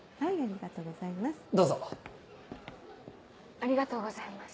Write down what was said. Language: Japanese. ありがとうございます。